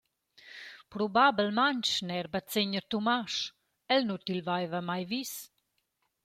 Probabelmaing neir bazegner Tumasch, el nu til vaiva mai vis.